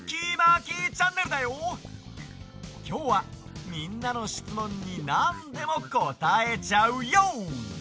きょうはみんなのしつもんになんでもこたえちゃうＹＯ！